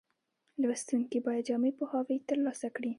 لوستونکي باید جامع پوهاوی ترلاسه کړي.